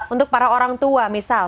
untuk para orang tua misal